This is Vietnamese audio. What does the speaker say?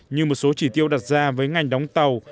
như một số chỉ tiêu đặt ra với ngành đóng tàu